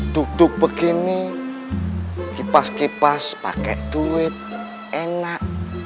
duduk begini kipas kipas pakai duit enak